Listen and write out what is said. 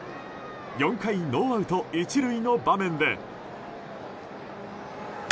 ４回ノーアウト１塁の場面で。